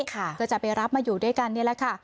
ก็จะไปรับมาอยู่ด้วยกันนี่แหละค่ะ